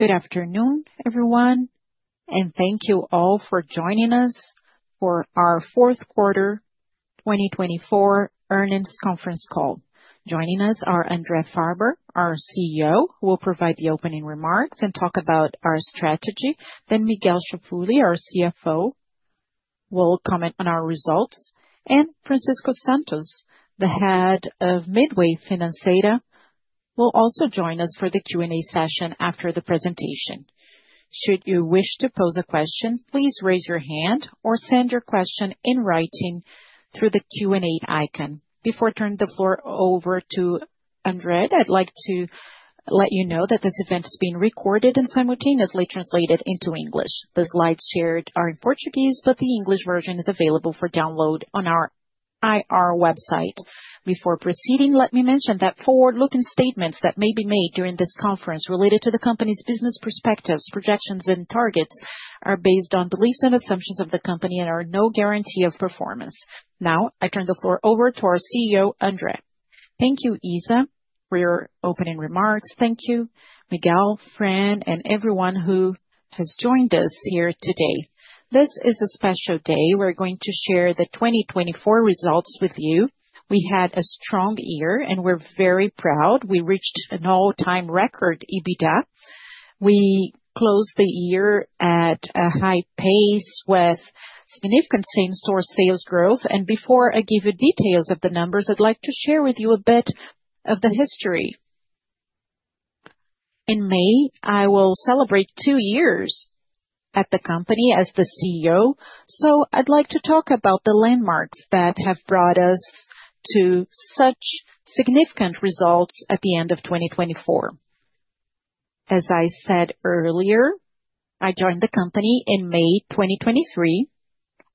Good afternoon, everyone, and thank you all for joining us for our Fourth Quarter 2024 Earnings Conference Call. Joining us are André Farber, our CEO, who will provide the opening remarks and talk about our strategy. Miguel Cafruni, our CFO, will comment on our results, and Francisco Santos, the head of Midway Financeira, will also join us for the Q&A session after the presentation. Should you wish to pose a question, please raise your hand or send your question in writing through the Q&A icon. Before I turn the floor over to André, I'd like to let you know that this event is being recorded and simultaneously translated into English. The slides shared are in Portuguese, but the English version is available for download on our IR website. Before proceeding, let me mention that forward-looking statements that may be made during this conference related to the company's business perspectives, projections, and targets are based on beliefs and assumptions of the company and are no guarantee of performance. Now, I turn the floor over to our CEO, André. Thank you, Isa, for your opening remarks. Thank you, Miguel, Fran, and everyone who has joined us here today. This is a special day. We are going to share the 2024 results with you. We had a strong year, and we are very proud. We reached an all-time record EBITDA. We closed the year at a high pace with significant same-store sales growth. Before I give you details of the numbers, I would like to share with you a bit of the history. In May, I will celebrate two years at the company as the CEO, so I'd like to talk about the landmarks that have brought us to such significant results at the end of 2024. As I said earlier, I joined the company in May 2023.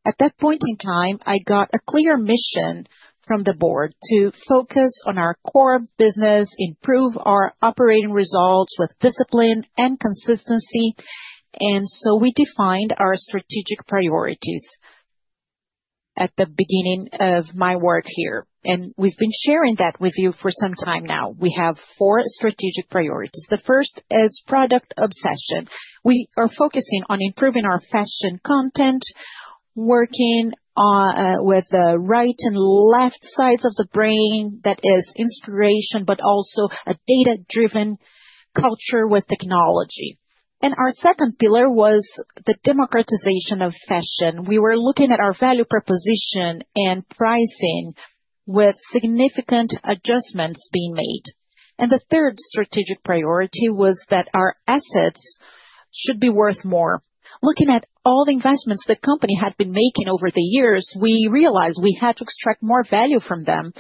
At that point in time, I got a clear mission from the board to focus on our core business, improve our operating results with discipline and consistency, and we defined our strategic priorities at the beginning of my work here. We've been sharing that with you for some time now. We have four strategic priorities. The first is product obsession. We are focusing on improving our fashion content, working with the right and left sides of the brain. That is inspiration, but also a data-driven culture with technology. Our second pillar was the democratization of fashion. We were looking at our value proposition and pricing with significant adjustments being made. The third strategic priority was that our assets should be worth more. Looking at all the investments the company had been making over the years, we realized we had to extract more value from them.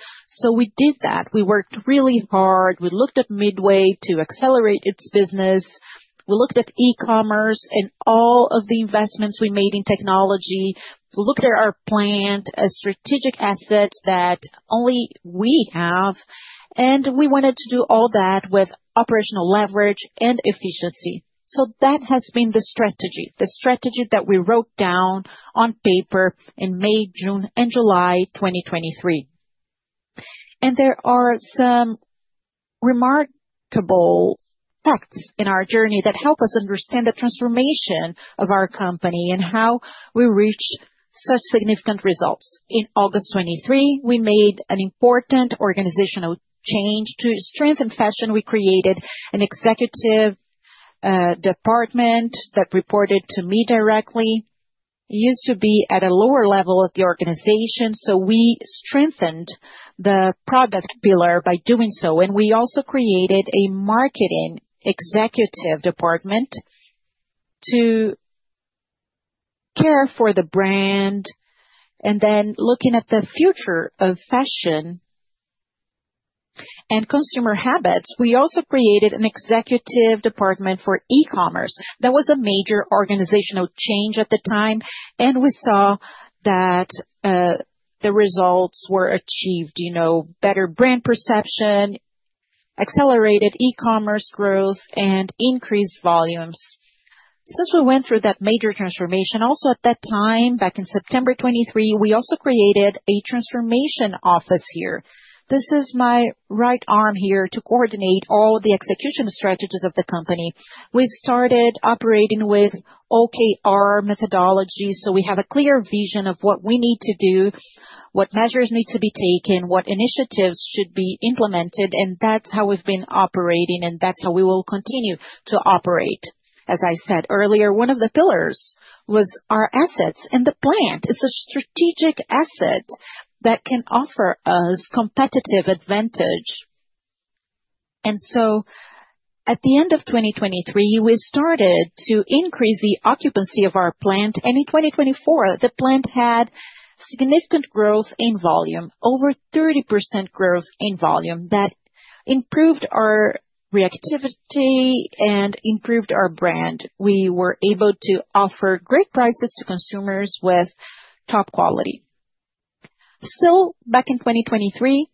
We did that. We worked really hard. We looked at Midway to accelerate its business. We looked at e-commerce and all of the investments we made in technology. We looked at our plant as strategic assets that only we have, and we wanted to do all that with operational leverage and efficiency. That has been the strategy, the strategy that we wrote down on paper in May, June, and July 2023. There are some remarkable facts in our journey that help us understand the transformation of our company and how we reached such significant results. In August 2023, we made an important organizational change to strengthen fashion. We created an executive department that reported to me directly. It used to be at a lower level of the organization, so we strengthened the product pillar by doing so. We also created a marketing executive department to care for the brand. Looking at the future of fashion and consumer habits, we also created an executive department for e-commerce. That was a major organizational change at the time, and we saw that the results were achieved: better brand perception, accelerated e-commerce growth, and increased volumes. Since we went through that major transformation, also at that time, back in September 2023, we also created a transformation office here. This is my right arm here to coordinate all the execution strategies of the company. We started operating with OKR methodology, so we have a clear vision of what we need to do, what measures need to be taken, what initiatives should be implemented, and that is how we have been operating, and that is how we will continue to operate. As I said earlier, one of the pillars was our assets, and the plant is a strategic asset that can offer us competitive advantage. At the end of 2023, we started to increase the occupancy of our plant, and in 2024, the plant had significant growth in volume, over 30% growth in volume. That improved our reactivity and improved our brand. We were able to offer great prices to consumers with top quality. Still, back in 2023,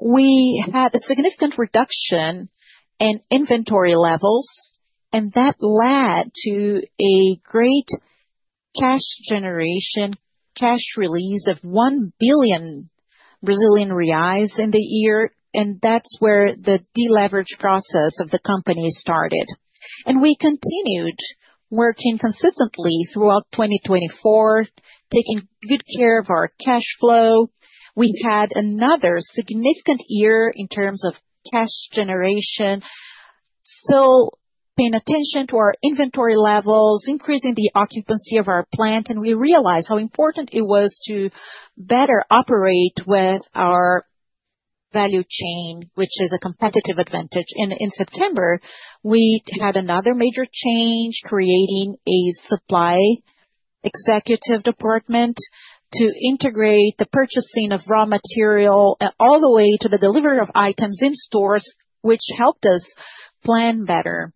we had a significant reduction in inventory levels, and that led to a great cash generation, cash release of 1 billion Brazilian reais in the year, and that's where the deleverage process of the company started. We continued working consistently throughout 2024, taking good care of our cash flow. We had another significant year in terms of cash generation, still paying attention to our inventory levels, increasing the occupancy of our plant, and we realized how important it was to better operate with our value chain, which is a competitive advantage. In September, we had another major change, creating a supply executive department to integrate the purchasing of raw material all the way to the delivery of items in stores, which helped us plan better.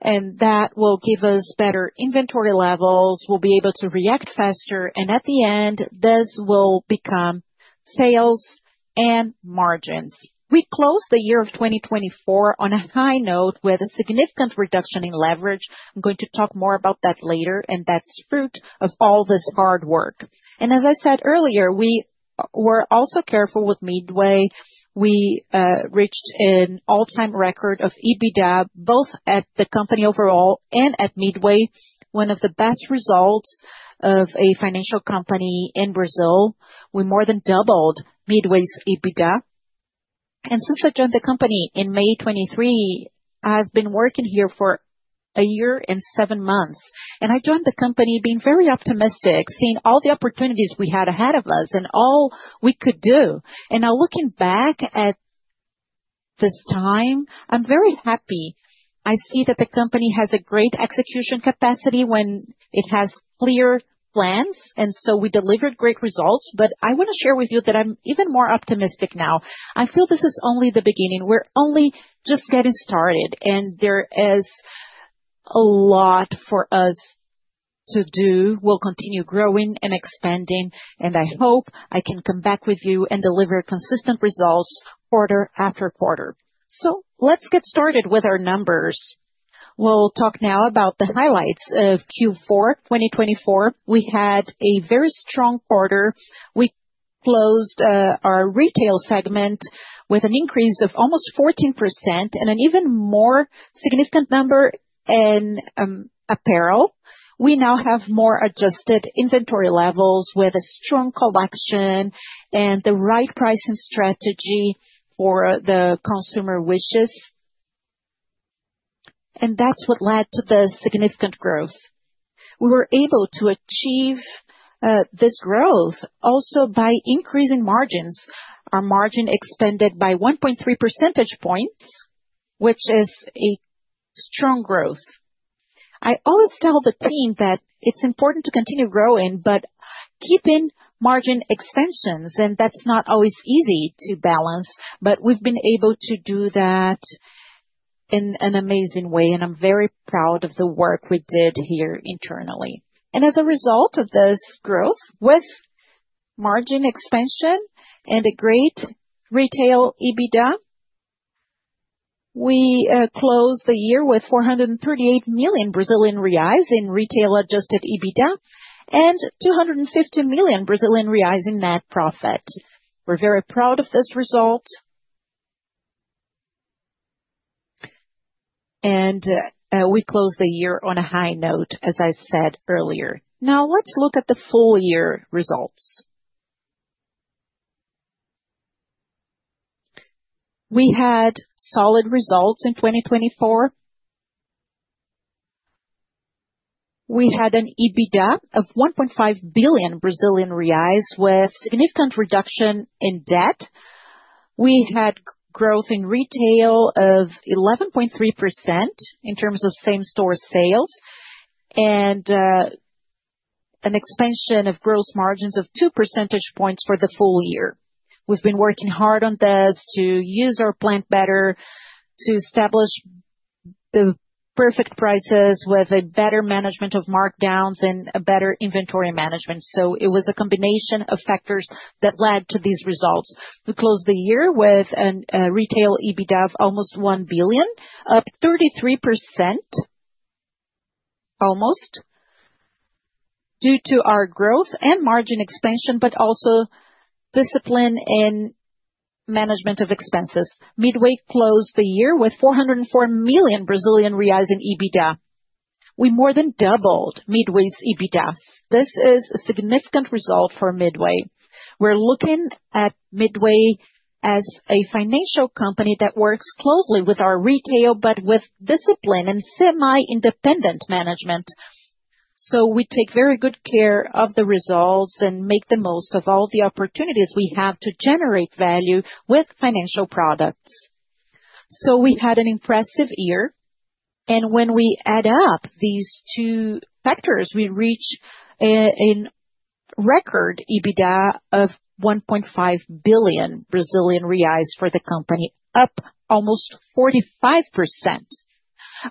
That will give us better inventory levels. We'll be able to react faster, and at the end, this will become sales and margins. We closed the year of 2024 on a high note with a significant reduction in leverage. I'm going to talk more about that later, and that's fruit of all this hard work. As I said earlier, we were also careful with Midway. We reached an all-time record of EBITDA, both at the company overall and at Midway, one of the best results of a financial company in Brazil. We more than doubled Midway's EBITDA. Since I joined the company in May 2023, I've been working here for a year and seven months, and I joined the company being very optimistic, seeing all the opportunities we had ahead of us and all we could do. Now looking back at this time, I'm very happy. I see that the company has a great execution capacity when it has clear plans, and we delivered great results. I want to share with you that I'm even more optimistic now. I feel this is only the beginning. We're only just getting started, and there is a lot for us to do. We'll continue growing and expanding, and I hope I can come back with you and deliver consistent results quarter after quarter. Let's get started with our numbers. We'll talk now about the highlights of Q4 2024. We had a very strong quarter. We closed our retail segment with an increase of almost 14% and an even more significant number in apparel. We now have more adjusted inventory levels with a strong collection and the right pricing strategy for the consumer wishes. That's what led to the significant growth. We were able to achieve this growth also by increasing margins. Our margin expanded by 1.3 percentage points, which is a strong growth. I always tell the team that it's important to continue growing, but keeping margin expansions, and that's not always easy to balance, but we've been able to do that in an amazing way, and I'm very proud of the work we did here internally. As a result of this growth, with margin expansion and a great retail EBITDA, we closed the year with 438 million Brazilian reais in retail adjusted EBITDA and 250 million Brazilian reais in net profit. We're very proud of this result, and we closed the year on a high note, as I said earlier. Now, let's look at the full year results. We had solid results in 2024. We had an EBITDA of 1.5 billion Brazilian reais with a significant reduction in debt. We had growth in retail of 11.3% in terms of same-store sales and an expansion of gross margins of 2 percentage points for the full year. We have been working hard on this to use our plant better, to establish the perfect prices with a better management of markdowns and a better inventory management. It was a combination of factors that led to these results. We closed the year with a retail EBITDA of almost 1 billion, up 33%, almost, due to our growth and margin expansion, but also discipline in management of expenses. Midway closed the year with 404 million Brazilian reais in EBITDA. We more than doubled Midway's EBITDA. This is a significant result for Midway. We're looking at Midway as a financial company that works closely with our retail, but with discipline and semi-independent management. We take very good care of the results and make the most of all the opportunities we have to generate value with financial products. We had an impressive year, and when we add up these two factors, we reached a record EBITDA of 1.5 billion Brazilian reais for the company, up almost 45%.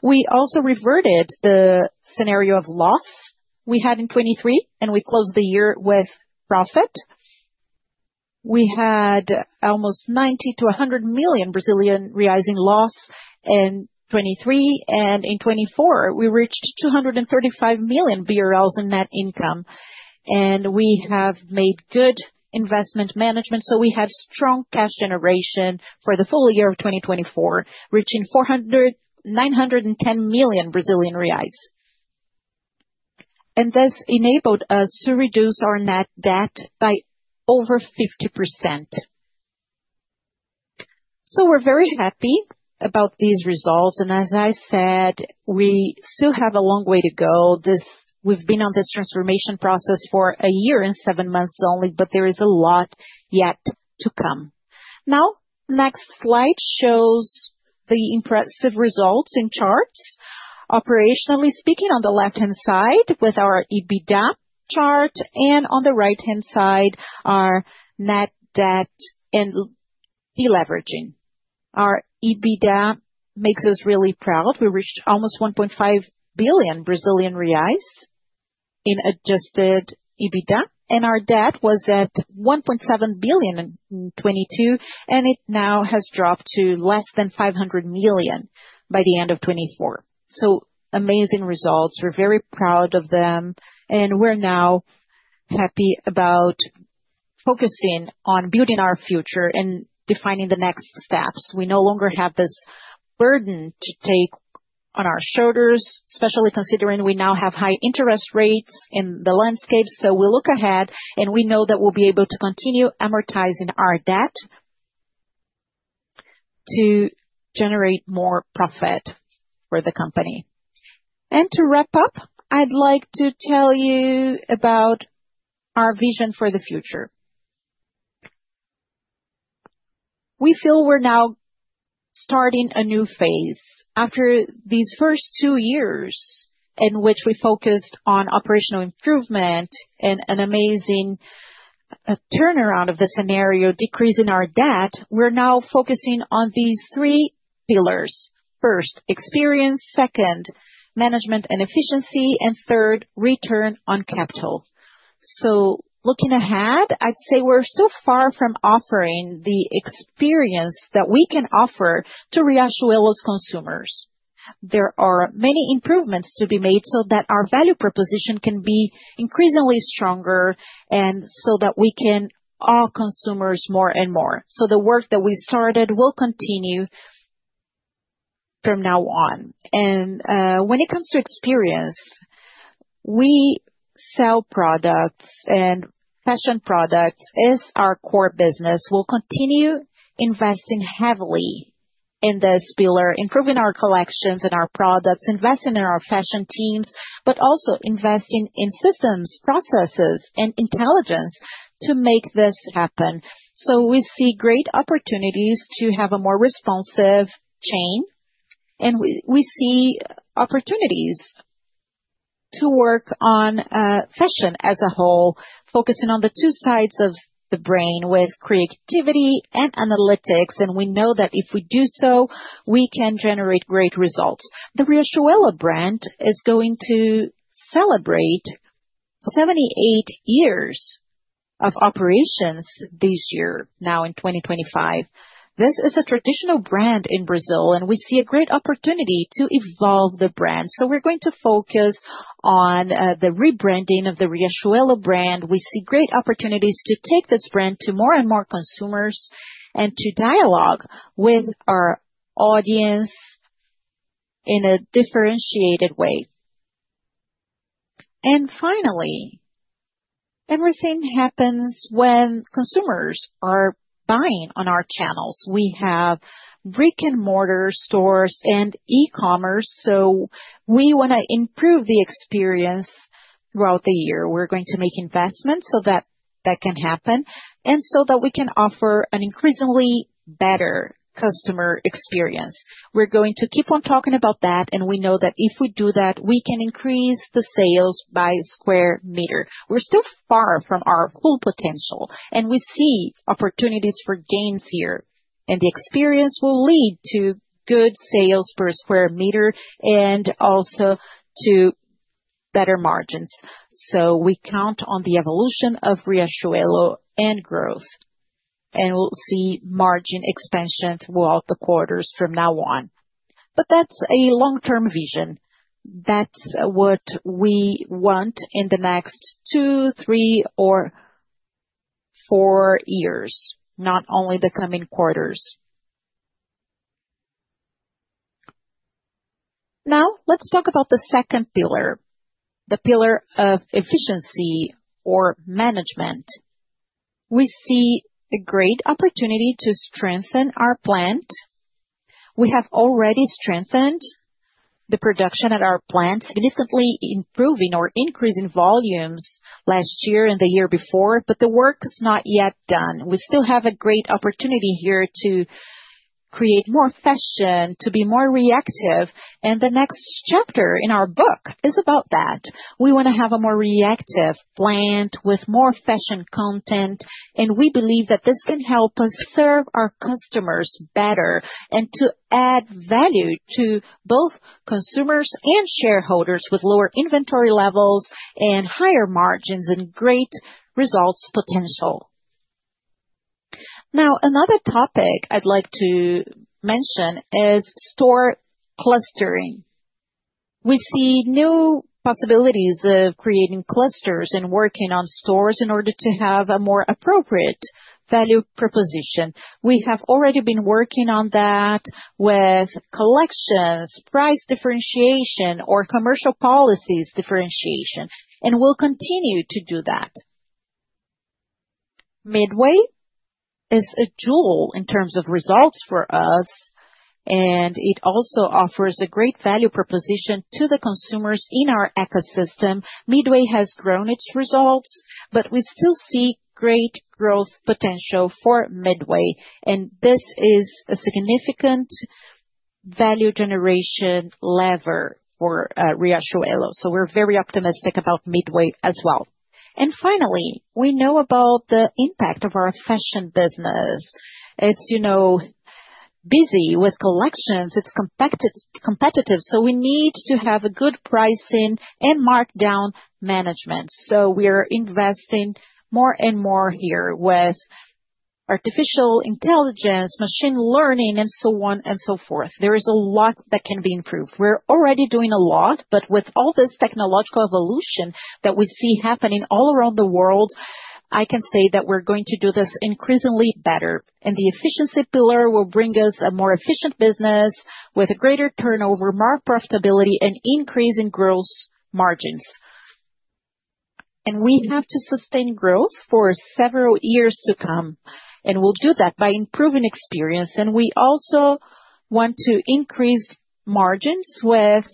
We also reverted the scenario of loss we had in 2023, and we closed the year with profit. We had almost 90 million-100 million Brazilian reais in loss in 2023, and in 2024, we reached 235 million BRL in net income. We have made good investment management, so we had strong cash generation for the full year of 2024, reaching 910 million Brazilian reais. This enabled us to reduce our net debt by over 50%. We are very happy about these results, and as I said, we still have a long way to go. We have been on this transformation process for a year and seven months only, but there is a lot yet to come. Now, the next slide shows the impressive results in charts. Operationally speaking, on the left-hand side with our EBITDA chart, and on the right-hand side our net debt and deleveraging. Our EBITDA makes us really proud. We reached almost 1.5 billion Brazilian reais in adjusted EBITDA, and our debt was at 1.7 billion in 2022, and it now has dropped to less than 500 million by the end of 2024. Amazing results. We are very proud of them, and we are now happy about focusing on building our future and defining the next steps. We no longer have this burden to take on our shoulders, especially considering we now have high interest rates in the landscape. We look ahead, and we know that we'll be able to continue amortizing our debt to generate more profit for the company. To wrap up, I'd like to tell you about our vision for the future. We feel we're now starting a new phase. After these first two years in which we focused on operational improvement and an amazing turnaround of the scenario, decreasing our debt, we're now focusing on these three pillars. First, experience; second, management and efficiency; and third, return on capital. Looking ahead, I'd say we're still far from offering the experience that we can offer to Riachuelo's consumers. There are many improvements to be made so that our value proposition can be increasingly stronger and so that we can awe consumers more and more. The work that we started will continue from now on. When it comes to experience, we sell products, and fashion products is our core business. We'll continue investing heavily in this pillar, improving our collections and our products, investing in our fashion teams, but also investing in systems, processes, and intelligence to make this happen. We see great opportunities to have a more responsive chain, and we see opportunities to work on fashion as a whole, focusing on the two sides of the brain with creativity and analytics. We know that if we do so, we can generate great results. The Riachuelo brand is going to celebrate 78 years of operations this year, now in 2025. This is a traditional brand in Brazil, and we see a great opportunity to evolve the brand. We are going to focus on the rebranding of the Riachuelo brand. We see great opportunities to take this brand to more and more consumers and to dialogue with our audience in a differentiated way. Finally, everything happens when consumers are buying on our channels. We have brick-and-mortar stores and e-commerce, so we want to improve the experience throughout the year. We are going to make investments so that that can happen and so that we can offer an increasingly better customer experience. We are going to keep on talking about that, and we know that if we do that, we can increase the sales by square meter. We're still far from our full potential, and we see opportunities for gains here, and the experience will lead to good sales per square meter and also to better margins. We count on the evolution of Riachuelo and growth, and we'll see margin expansion throughout the quarters from now on. That is a long-term vision. That is what we want in the next two, three, or four years, not only the coming quarters. Now, let's talk about the second pillar, the pillar of efficiency or management. We see a great opportunity to strengthen our plant. We have already strengthened the production at our plant, significantly improving or increasing volumes last year and the year before, but the work is not yet done. We still have a great opportunity here to create more fashion, to be more reactive, and the next chapter in our book is about that. We want to have a more reactive plant with more fashion content, and we believe that this can help us serve our customers better and to add value to both consumers and shareholders with lower inventory levels and higher margins and great results potential. Now, another topic I'd like to mention is store clustering. We see new possibilities of creating clusters and working on stores in order to have a more appropriate value proposition. We have already been working on that with collections, price differentiation, or commercial policies differentiation, and we'll continue to do that. Midway is a jewel in terms of results for us, and it also offers a great value proposition to the consumers in our ecosystem. Midway has grown its results, but we still see great growth potential for Midway, and this is a significant value generation lever for Riachuelo. We're very optimistic about Midway as well. Finally, we know about the impact of our fashion business. It's busy with collections. It's competitive, so we need to have good pricing and markdown management. We're investing more and more here with artificial intelligence, machine learning, and so on and so forth. There is a lot that can be improved. We're already doing a lot, but with all this technological evolution that we see happening all around the world, I can say that we're going to do this increasingly better. The efficiency pillar will bring us a more efficient business with greater turnover, more profitability, and increase in gross margins. We have to sustain growth for several years to come, and we'll do that by improving experience. We also want to increase margins with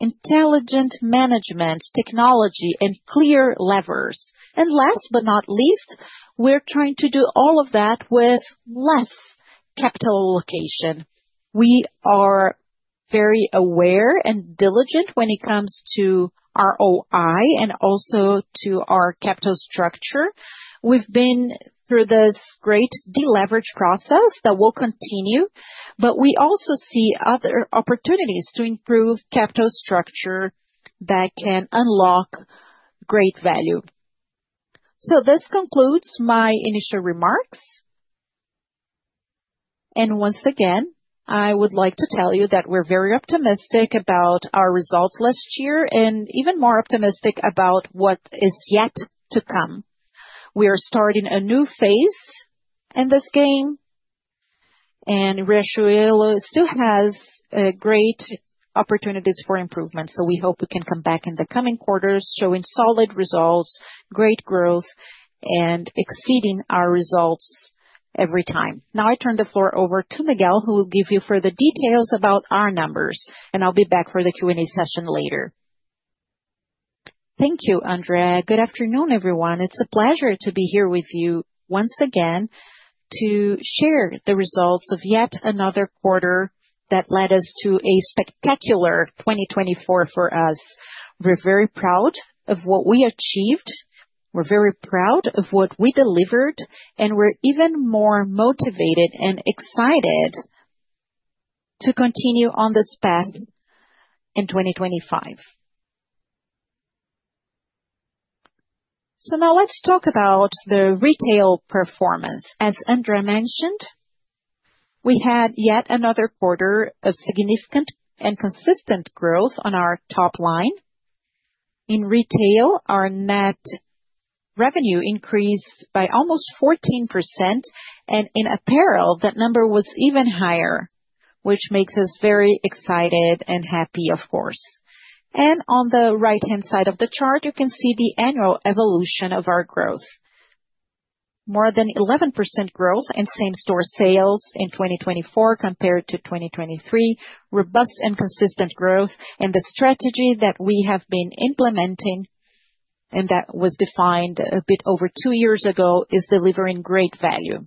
intelligent management technology and clear levers. Last but not least, we're trying to do all of that with less capital allocation. We are very aware and diligent when it comes to our ROI and also to our capital structure. We've been through this great deleverage process that will continue, but we also see other opportunities to improve capital structure that can unlock great value. This concludes my initial remarks. Once again, I would like to tell you that we're very optimistic about our results last year and even more optimistic about what is yet to come. We are starting a new phase in this game, and Riachuelo still has great opportunities for improvement. We hope we can come back in the coming quarters showing solid results, great growth, and exceeding our results every time. Now I turn the floor over to Miguel, who will give you further details about our numbers, and I'll be back for the Q&A session later. Thank you, André. Good afternoon, everyone. It's a pleasure to be here with you once again to share the results of yet another quarter that led us to a spectacular 2024 for us. We're very proud of what we achieved. We're very proud of what we delivered, and we're even more motivated and excited to continue on this path in 2025. Now let's talk about the retail performance. As André mentioned, we had yet another quarter of significant and consistent growth on our top line. In retail, our net revenue increased by almost 14%, and in apparel, that number was even higher, which makes us very excited and happy, of course. On the right-hand side of the chart, you can see the annual evolution of our growth. More than 11% growth in same-store sales in 2024 compared to 2023. Robust and consistent growth, and the strategy that we have been implementing and that was defined a bit over two years ago is delivering great value.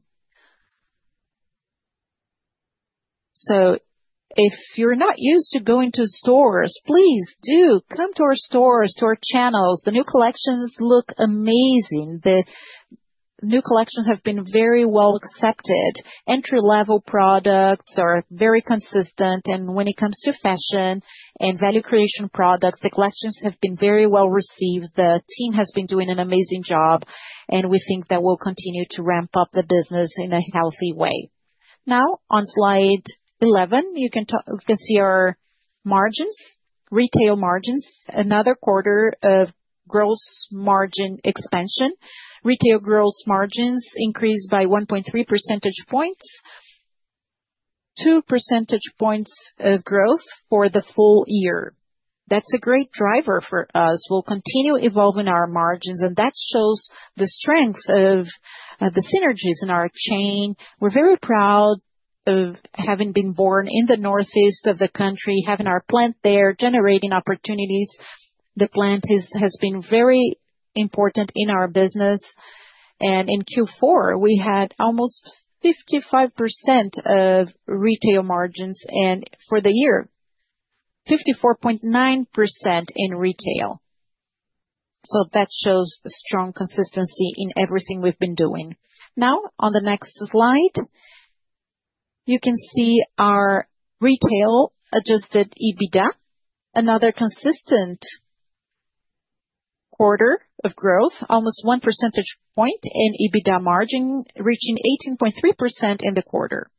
If you're not used to going to stores, please do come to our stores, to our channels. The new collections look amazing. The new collections have been very well accepted. Entry-level products are very consistent, and when it comes to fashion and value creation products, the collections have been very well received. The team has been doing an amazing job, and we think that we'll continue to ramp up the business in a healthy way. Now, on slide 11, you can see our margins, retail margins, another quarter of gross margin expansion. Retail gross margins increased by 1.3 percentage points, 2 percentage points of growth for the full year. That is a great driver for us. We will continue evolving our margins, and that shows the strength of the synergies in our chain. We are very proud of having been born in the northeast of the country, having our plant there, generating opportunities. The plant has been very important in our business. In Q4, we had almost 55% of retail margins for the year, 54.9% in retail. That shows strong consistency in everything we have been doing. Now, on the next slide, you can see our retail adjusted EBITDA, another consistent quarter of growth, almost 1 percentage point in EBITDA margin, reaching 18.3% in the quarter.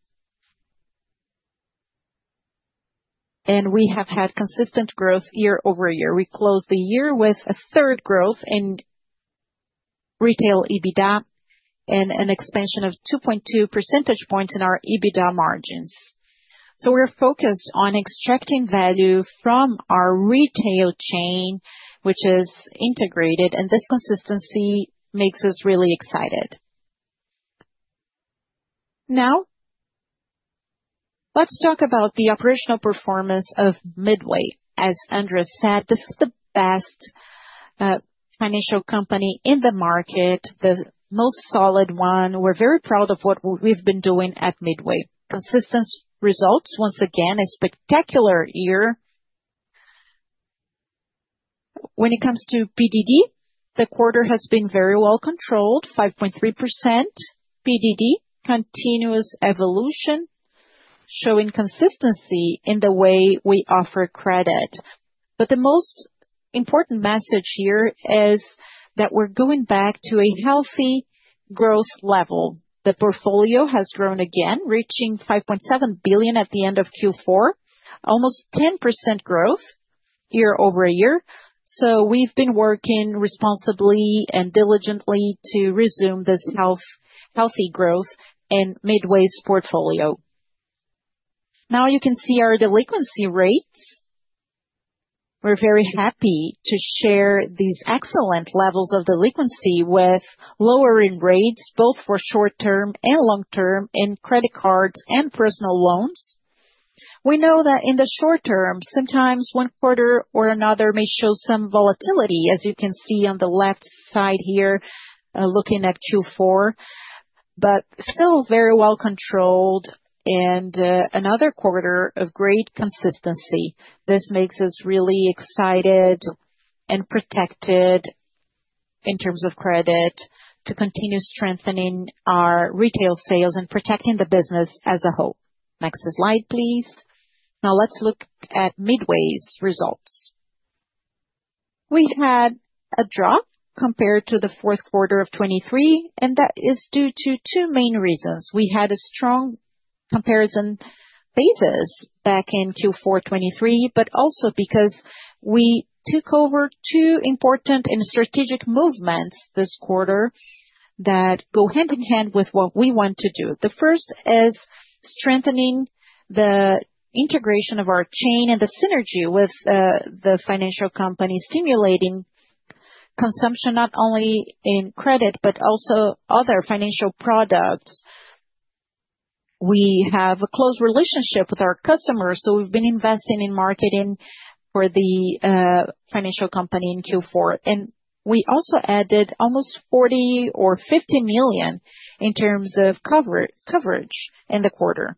We have had consistent growth year-over-year. We closed the year with a third growth in retail EBITDA and an expansion of 2.2 percentage points in our EBITDA margins. We are focused on extracting value from our retail chain, which is integrated, and this consistency makes us really excited. Now, let's talk about the operational performance of Midway. As André said, this is the best financial company in the market, the most solid one. We are very proud of what we have been doing at Midway. Consistent results, once again, a spectacular year. When it comes to PDD, the quarter has been very well controlled, 5.3% PDD, continuous evolution, showing consistency in the way we offer credit. The most important message here is that we are going back to a healthy growth level. The portfolio has grown again, reaching 5.7 billion at the end of Q4, almost 10% growth year-over-year. We have been working responsibly and diligently to resume this healthy growth in Midway's portfolio. Now you can see our delinquency rates. We are very happy to share these excellent levels of delinquency with lowering rates, both for short-term and long-term in credit cards and personal loans. We know that in the short term, sometimes one quarter or another may show some volatility, as you can see on the left side here, looking at Q4, but still very well controlled in another quarter of great consistency. This makes us really excited and protected in terms of credit to continue strengthening our retail sales and protecting the business as a whole. Next slide, please. Now let's look at Midway's results. We had a drop compared to the fourth quarter of 2023, and that is due to two main reasons. We had a strong comparison basis back in Q4 2023, but also because we took over two important and strategic movements this quarter that go hand in hand with what we want to do. The first is strengthening the integration of our chain and the synergy with the financial company, stimulating consumption not only in credit but also other financial products. We have a close relationship with our customers, so we've been investing in marketing for the financial company in Q4. We also added almost 40 million-50 million in terms of coverage in the quarter.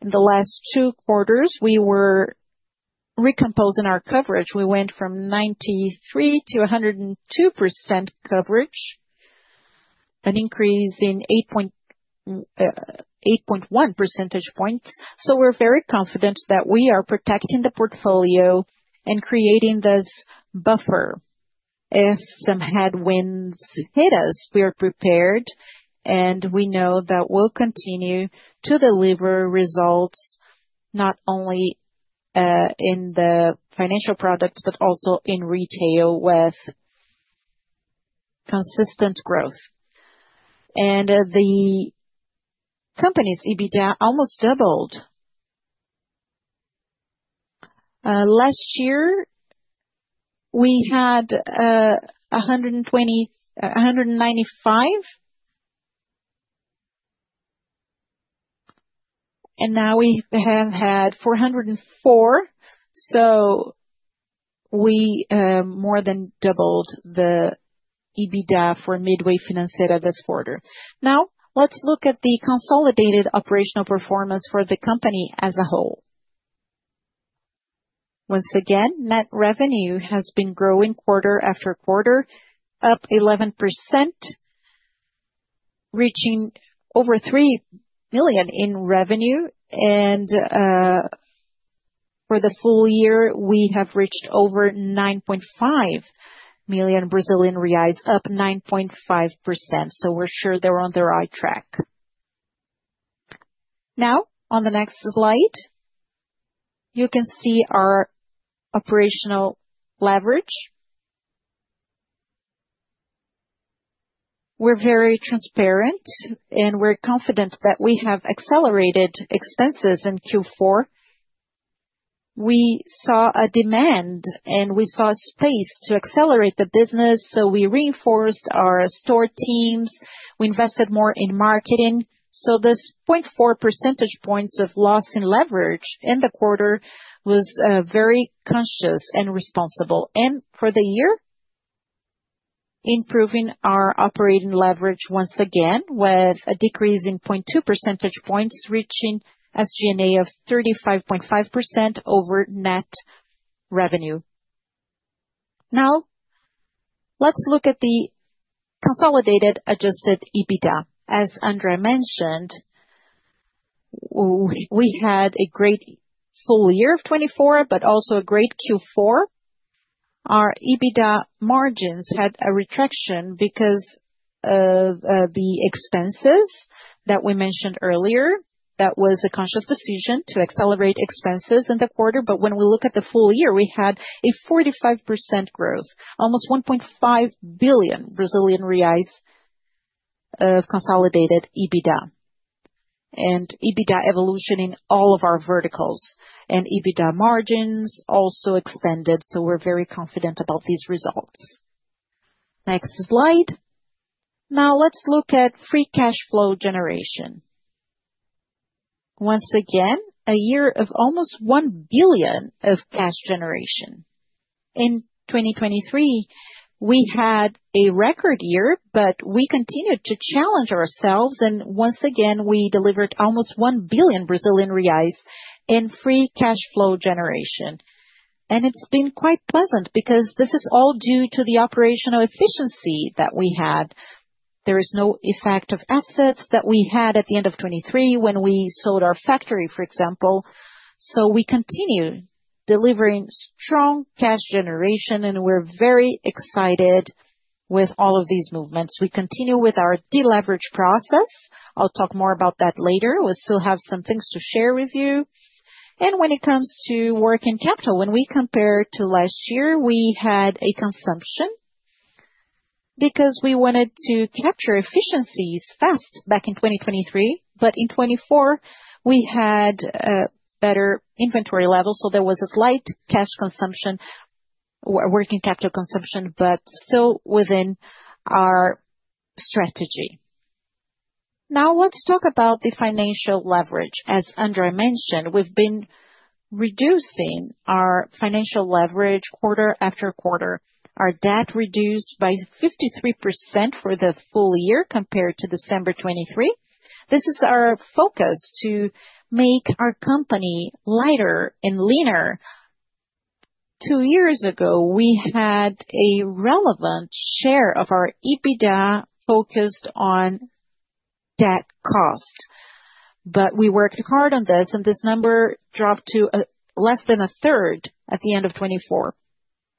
In the last two quarters, we were recomposing our coverage. We went from 93% to 102% coverage, an increase in 8.1 percentage points. We are very confident that we are protecting the portfolio and creating this buffer. If some headwinds hit us, we are prepared, and we know that we'll continue to deliver results not only in the financial products but also in retail with consistent growth. The company's EBITDA almost doubled. Last year, we had 195, and now we have had 404. We more than doubled the EBITDA for Midway Financeira this quarter. Now, let's look at the consolidated operational performance for the company as a whole. Once again, net revenue has been growing quarter after quarter, up 11%, reaching over 3 million in revenue. For the full year, we have reached over 9.5 million Brazilian reais, up 9.5%. We are sure they are on the right track. On the next slide, you can see our operational leverage. We are very transparent, and we are confident that we have accelerated expenses in Q4. We saw a demand, and we saw space to accelerate the business, so we reinforced our store teams. We invested more in marketing. This 0.4 percentage points of loss in leverage in the quarter was very conscious and responsible. For the year, improving our operating leverage once again with a decrease in 0.2 percentage points, reaching SG&A of 35.5% over net revenue. Now, let's look at the consolidated adjusted EBITDA. As André mentioned, we had a great full year of 2024, but also a great Q4. Our EBITDA margins had a retraction because of the expenses that we mentioned earlier. That was a conscious decision to accelerate expenses in the quarter. When we look at the full year, we had a 45% growth, almost 1.5 billion Brazilian reais of consolidated EBITDA. EBITDA evolution in all of our verticals and EBITDA margins also expanded, so we're very confident about these results. Next slide. Now, let's look at free cash flow generation. Once again, a year of almost 1 billion of cash generation. In 2023, we had a record year, but we continued to challenge ourselves. Once again, we delivered almost 1 billion Brazilian reais in free cash flow generation. It's been quite pleasant because this is all due to the operational efficiency that we had. There is no effect of assets that we had at the end of 2023 when we sold our factory, for example. We continue delivering strong cash generation, and we're very excited with all of these movements. We continue with our deleverage process. I'll talk more about that later. We still have some things to share with you. When it comes to working capital, when we compare to last year, we had a consumption because we wanted to capture efficiencies fast back in 2023. In 2024, we had better inventory levels, so there was a slight cash consumption, working capital consumption, but still within our strategy. Now, let's talk about the financial leverage. As André mentioned, we've been reducing our financial leverage quarter after quarter. Our debt reduced by 53% for the full year compared to December 2023. This is our focus to make our company lighter and leaner. Two years ago, we had a relevant share of our EBITDA focused on debt cost. We worked hard on this, and this number dropped to less than a third at the end of 2024.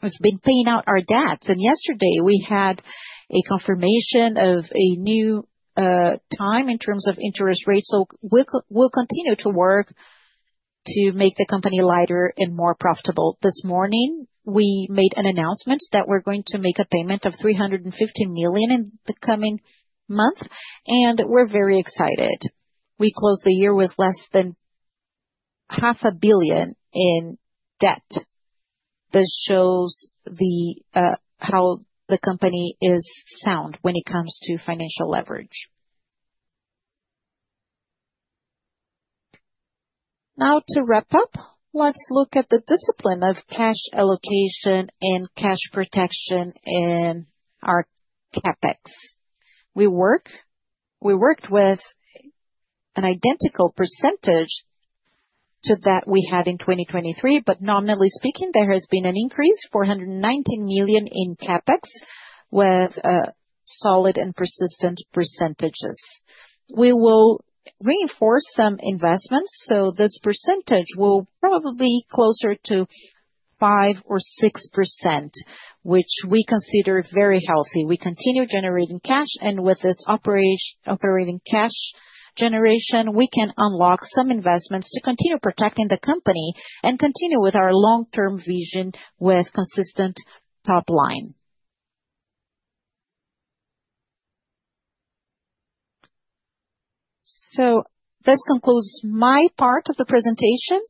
We've been paying out our debts. Yesterday, we had a confirmation of a new time in terms of interest rates. We will continue to work to make the company lighter and more profitable. This morning, we made an announcement that we're going to make a payment of 350 million in the coming month, and we're very excited. We closed the year with less than half a billion in debt. This shows how the company is sound when it comes to financial leverage. Now, to wrap up, let's look at the discipline of cash allocation and cash protection in our CapEx. We worked with an identical percentage to that we had in 2023, but nominally speaking, there has been an increase, 419 million in CapEx, with solid and persistent percentages. We will reinforce some investments, so this percentage will probably be closer to 5% or 6%, which we consider very healthy. We continue generating cash, and with this operating cash generation, we can unlock some investments to continue protecting the company and continue with our long-term vision with consistent top line. This concludes my part of the presentation.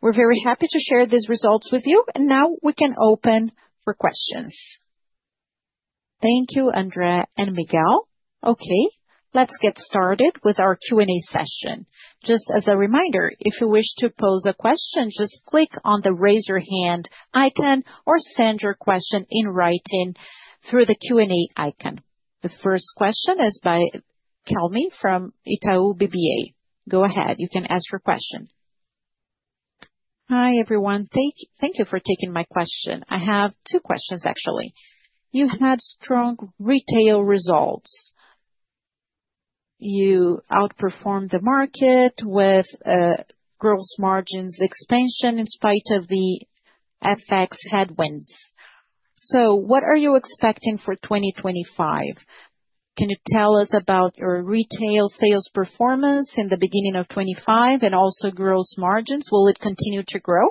We're very happy to share these results with you, and now we can open for questions. Thank you, André and Miguel. Okay, let's get started with our Q&A session. Just as a reminder, if you wish to pose a question, just click on the raise your hand icon or send your question in writing through the Q&A icon. The first question is by Kelvin from Itaú BBA. Go ahead. You can ask your question. Hi, everyone. Thank you for taking my question. I have two questions, actually. You had strong retail results. You outperformed the market with gross margins expansion in spite of the FX headwinds. What are you expecting for 2025? Can you tell us about your retail sales performance in the beginning of 2025 and also gross margins? Will it continue to grow?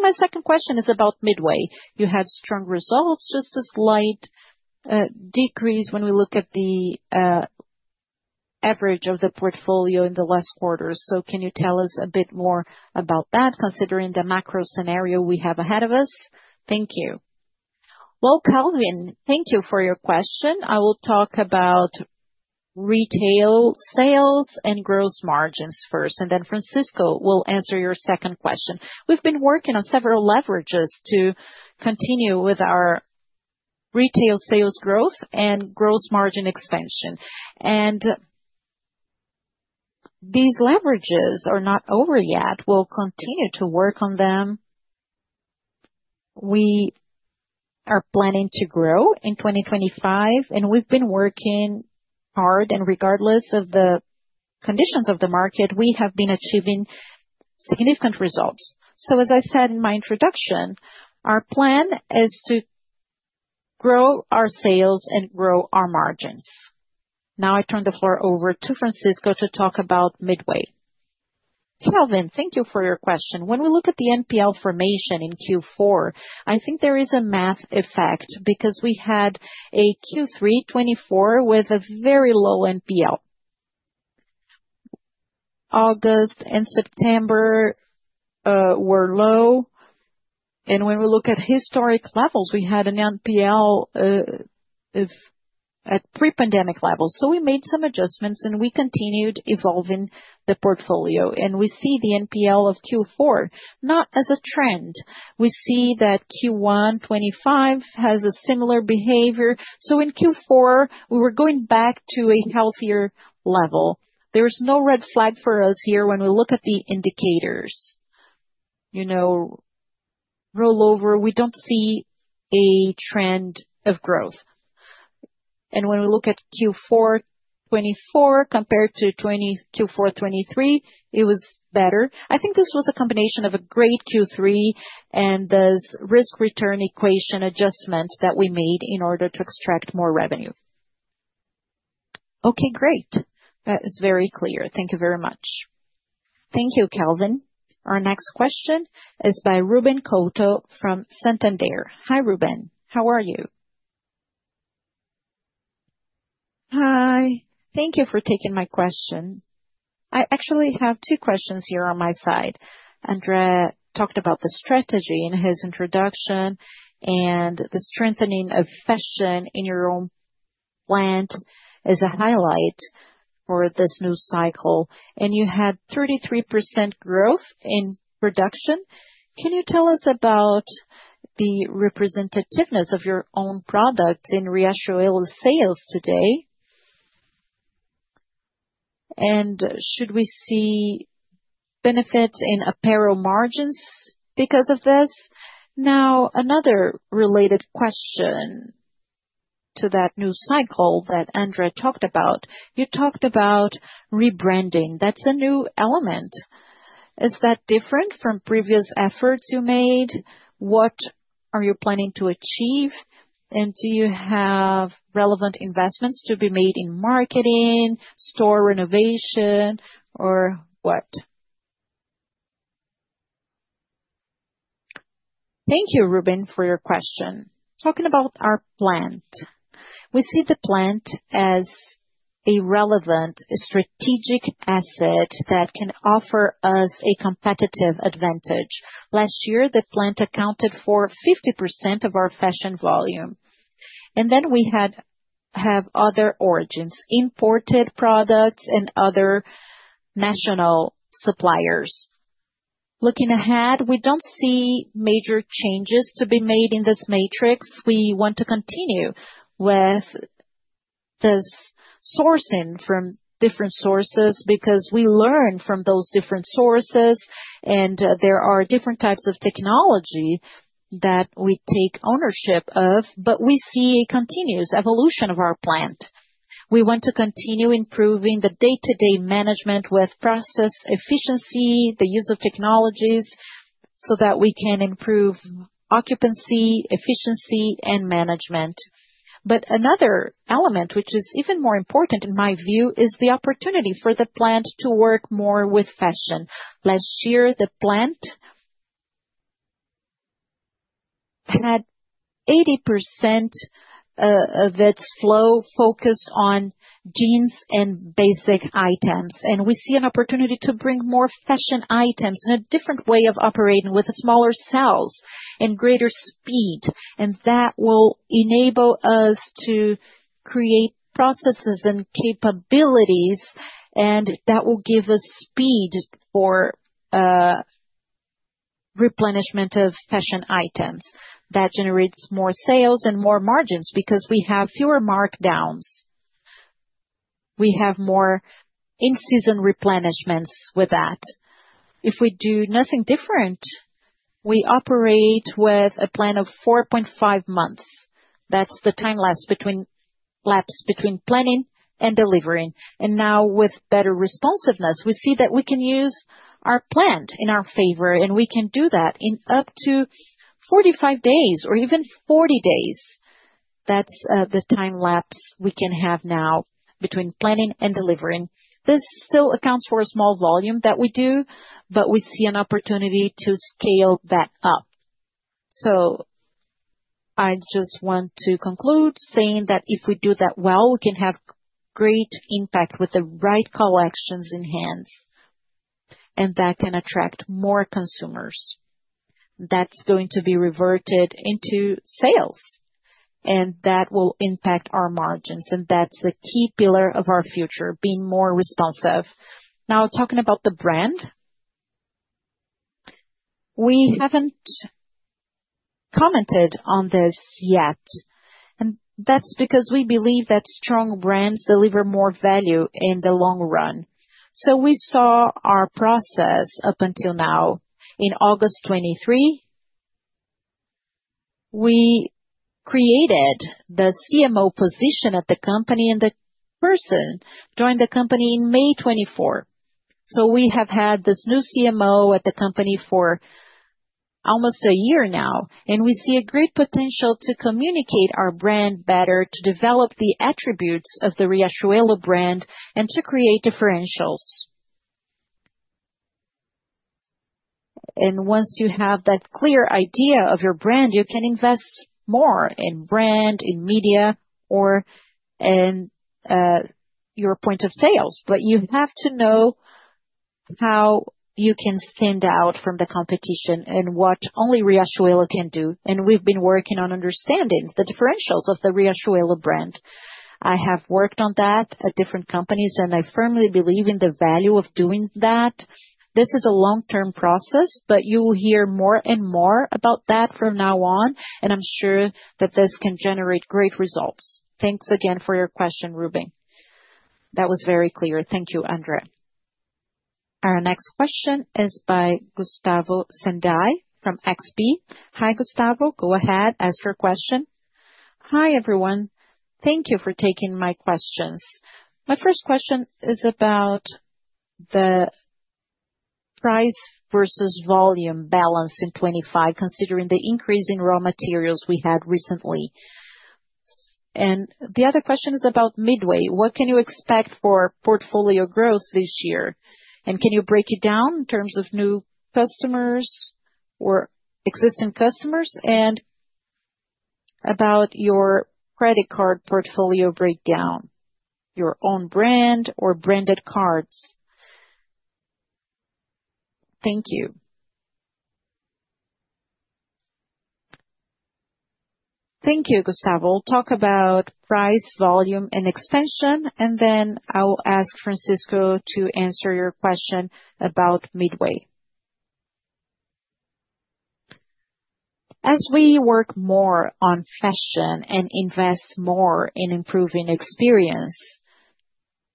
My second question is about Midway. You had strong results, just a slight decrease when we look at the average of the portfolio in the last quarter. Can you tell us a bit more about that, considering the macro scenario we have ahead of us? Thank you. Kelvin, thank you for your question. I will talk about retail sales and gross margins first, and then Francisco will answer your second question. We have been working on several leverages to continue with our retail sales growth and gross margin expansion. These leverages are not over yet. We will continue to work on them. We are planning to grow in 2025, and we've been working hard, and regardless of the conditions of the market, we have been achieving significant results. As I said in my introduction, our plan is to grow our sales and grow our margins. Now, I turn the floor over to Francisco to talk about Midway. Kelvin, thank you for your question. When we look at the NPL formation in Q4, I think there is a math effect because we had a Q3 2024 with a very low NPL. August and September were low. When we look at historic levels, we had an NPL at pre-pandemic levels. We made some adjustments, and we continued evolving the portfolio. We see the NPL of Q4 not as a trend. We see that Q1 2025 has a similar behavior. In Q4, we were going back to a healthier level. There is no red flag for us here when we look at the indicators. Rollover, we do not see a trend of growth. When we look at Q4 2024 compared to Q4 2023, it was better. I think this was a combination of a great Q3 and this risk-return equation adjustment that we made in order to extract more revenue. Okay, great. That is very clear. Thank you very much. Thank you, Kelvin. Our next question is by Ruben Couto from Santander. Hi, Ruben. How are you? Hi. Thank you for taking my question. I actually have two questions here on my side. André talked about the strategy in his introduction and the strengthening of fashion in your own plant as a highlight for this new cycle. You had 33% growth in production. Can you tell us about the representativeness of your own products in Riachuelo sales today? Should we see benefits in apparel margins because of this? Now, another related question to that new cycle that André talked about. You talked about rebranding. That's a new element. Is that different from previous efforts you made? What are you planning to achieve? Do you have relevant investments to be made in marketing, store renovation, or what? Thank you, Ruben, for your question. Talking about our plant. We see the plant as a relevant strategic asset that can offer us a competitive advantage. Last year, the plant accounted for 50% of our fashion volume. Then we have other origins, imported products and other national suppliers. Looking ahead, we do not see major changes to be made in this matrix. We want to continue with this sourcing from different sources because we learn from those different sources, and there are different types of technology that we take ownership of, but we see a continuous evolution of our plant. We want to continue improving the day-to-day management with process efficiency, the use of technologies so that we can improve occupancy, efficiency, and management. Another element, which is even more important in my view, is the opportunity for the plant to work more with fashion. Last year, the plant had 80% of its flow focused on jeans and basic items. We see an opportunity to bring more fashion items and a different way of operating with smaller cells and greater speed. That will enable us to create processes and capabilities, and that will give us speed for replenishment of fashion items that generates more sales and more margins because we have fewer markdowns. We have more in-season replenishments with that. If we do nothing different, we operate with a plan of 4.5 months. That is the time lapse between planning and delivering. Now, with better responsiveness, we see that we can use our plant in our favor, and we can do that in up to 45 days or even 40 days. That is the time lapse we can have now between planning and delivering. This still accounts for a small volume that we do, but we see an opportunity to scale that up. I just want to conclude saying that if we do that well, we can have great impact with the right collections in hands, and that can attract more consumers. That is going to be reverted into sales, and that will impact our margins. That is a key pillar of our future, being more responsive. Now, talking about the brand, we have not commented on this yet. That is because we believe that strong brands deliver more value in the long run. We saw our process up until now. In August 2023, we created the CMO position at the company, and the person joined the company in May 2024. We have had this new CMO at the company for almost a year now, and we see great potential to communicate our brand better, to develop the attributes of the Riachuelo brand, and to create differentials. Once you have that clear idea of your brand, you can invest more in brand, in media, or in your point of sales. You have to know how you can stand out from the competition and what only Riachuelo can do. We have been working on understanding the differentials of the Riachuelo brand. I have worked on that at different companies, and I firmly believe in the value of doing that. This is a long-term process, but you will hear more and more about that from now on, and I am sure that this can generate great results. Thanks again for your question, Ruben. That was very clear. Thank you, André. Our next question is by Gustavo Senday from XP. Hi, Gustavo. Go ahead. Ask your question. Hi, everyone. Thank you for taking my questions. My first question is about the price versus volume balance in 2025, considering the increase in raw materials we had recently. The other question is about Midway. What can you expect for portfolio growth this year? Can you break it down in terms of new customers or existing customers? About your credit card portfolio breakdown, your own brand or branded cards? Thank you. Thank you, Gustavo. We will talk about price, volume, and expansion, and then I will ask Francisco to answer your question about Midway. As we work more on fashion and invest more in improving experience,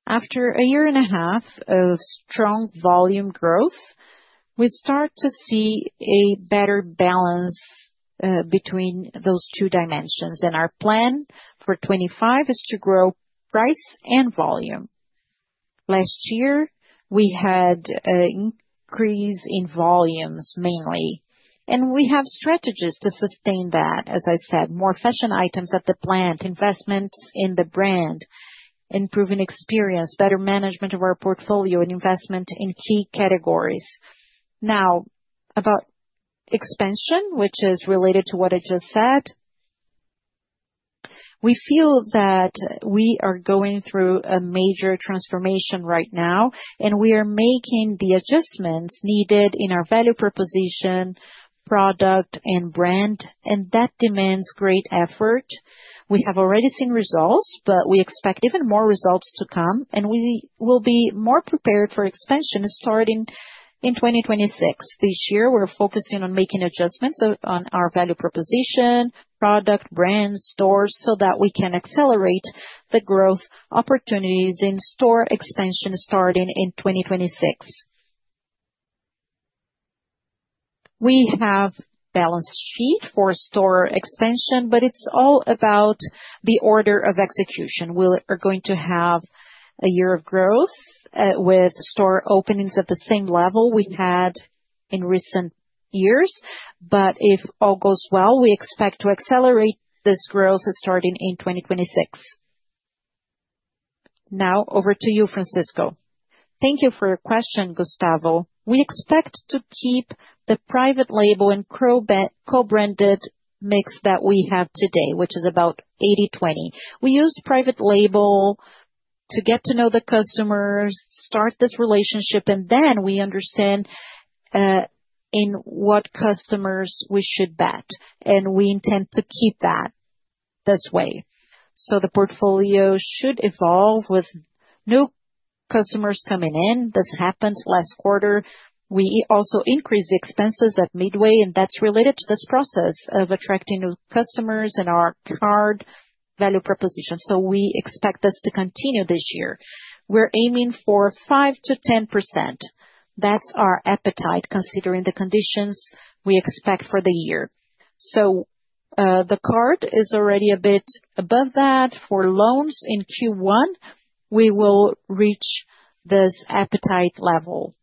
after a year and a half of strong volume growth, we start to see a better balance between those two dimensions. Our plan for 2025 is to grow price and volume. Last year, we had an increase in volumes mainly, and we have strategies to sustain that, as I said, more fashion items at the plant, investments in the brand, improving experience, better management of our portfolio, and investment in key categories. Now, about expansion, which is related to what I just said, we feel that we are going through a major transformation right now, and we are making the adjustments needed in our value proposition, product, and brand, and that demands great effort. We have already seen results, but we expect even more results to come, and we will be more prepared for expansion starting in 2026. This year, we're focusing on making adjustments on our value proposition, product, brand, stores so that we can accelerate the growth opportunities in store expansion starting in 2026. We have a balance sheet for store expansion, but it is all about the order of execution. We are going to have a year of growth with store openings at the same level we had in recent years. If all goes well, we expect to accelerate this growth starting in 2026. Now, over to you, Francisco. Thank you for your question, Gustavo. We expect to keep the private label and co-branded mix that we have today, which is about 80-20. We use private label to get to know the customers, start this relationship, and then we understand in what customers we should bet. We intend to keep that this way. The portfolio should evolve with new customers coming in. This happened last quarter. We also increased the expenses at Midway, and that is related to this process of attracting new customers and our card value proposition. We expect this to continue this year. We're aiming for 5%-10%. That's our appetite, considering the conditions we expect for the year. The card is already a bit above that. For loans in Q1, we will reach this appetite level.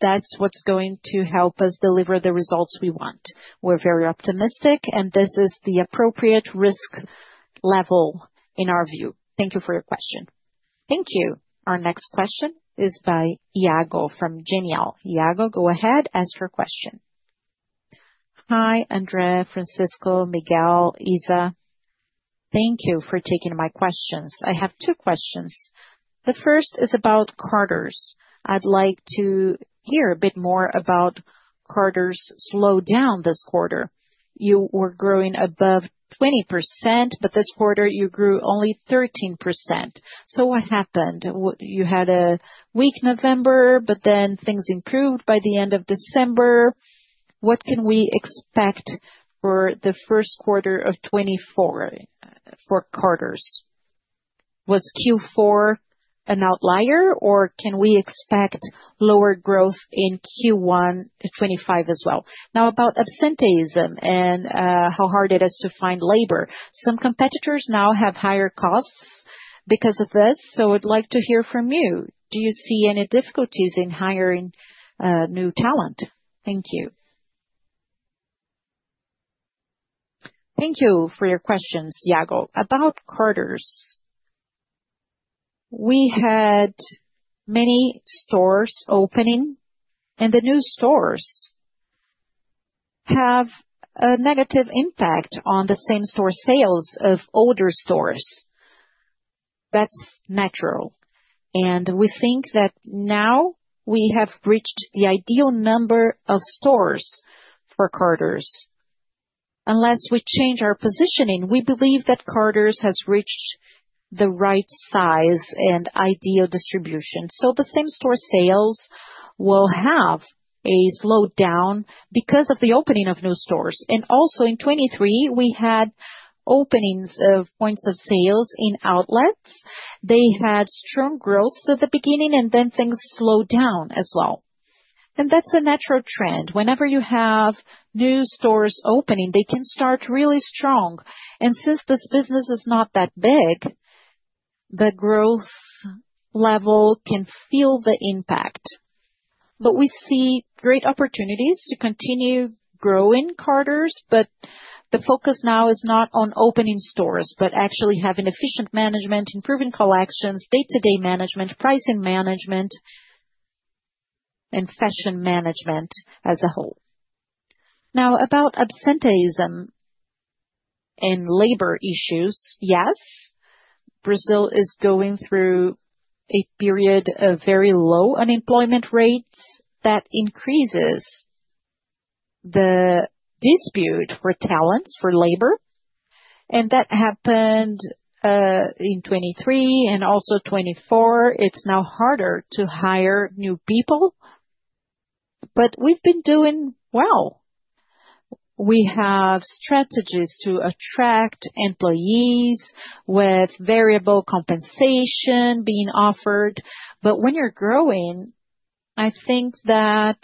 That's what's going to help us deliver the results we want. We're very optimistic, and this is the appropriate risk level in our view. Thank you for your question. Thank you. Our next question is by Iago from Genial. Iago, go ahead. Ask your question. Hi, André, Francisco, Miguel, Isa. Thank you for taking my questions. I have two questions. The first is about Carter's. I'd like to hear a bit more about Carter's slowdown this quarter. You were growing above 20%, but this quarter, you grew only 13%. What happened? You had a weak November, but then things improved by the end of December. What can we expect for the first quarter of 2024 for Carter's? Was Q4 an outlier, or can we expect lower growth in Q1 2025 as well? Now, about absenteeism and how hard it is to find labor. Some competitors now have higher costs because of this. I would like to hear from you. Do you see any difficulties in hiring new talent? Thank you. Thank you for your questions, Iago. About Carter's, we had many stores opening, and the new stores have a negative impact on the same-store sales of older stores. That is natural. We think that now we have reached the ideal number of stores for Carter's. Unless we change our positioning, we believe that Carter's has reached the right size and ideal distribution. The same-store sales will have a slowdown because of the opening of new stores. Also, in 2023, we had openings of points of sales in outlets. They had strong growth at the beginning, and then things slowed down as well. That is a natural trend. Whenever you have new stores opening, they can start really strong. Since this business is not that big, the growth level can feel the impact. We see great opportunities to continue growing Carter's, but the focus now is not on opening stores, but actually having efficient management, improving collections, day-to-day management, pricing management, and fashion management as a whole. Now, about absenteeism and labor issues, yes, Brazil is going through a period of very low unemployment rates that increases the dispute for talents, for labor. That happened in 2023 and also 2024. It's now harder to hire new people, but we've been doing well. We have strategies to attract employees with variable compensation being offered. When you're growing, I think that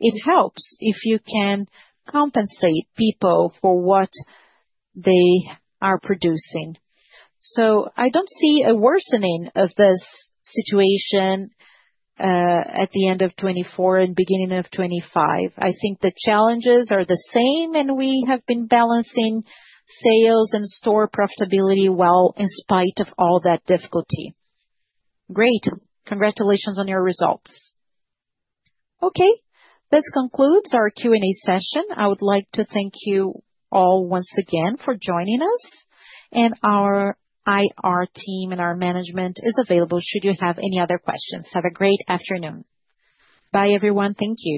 it helps if you can compensate people for what they are producing. I don't see a worsening of this situation at the end of 2024 and beginning of 2025. I think the challenges are the same, and we have been balancing sales and store profitability well in spite of all that difficulty. Great. Congratulations on your results. Okay. This concludes our Q&A session. I would like to thank you all once again for joining us. Our IR team and our management are available should you have any other questions. Have a great afternoon. Bye, everyone. Thank you.